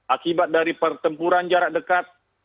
akibat dari pertempuran jarak dekat